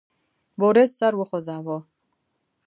بوریس سر وخوزاوه.